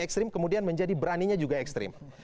ekstrim kemudian menjadi beraninya juga ekstrim